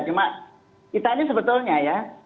cuma kita ini sebetulnya ya